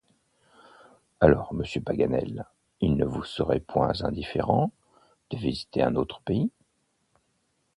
Alors, monsieur Paganel, il ne vous serait point indifférent de visiter un autre pays?